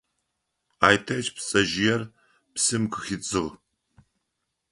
Айтэч пцэжъыер псым къыхидзыгъ.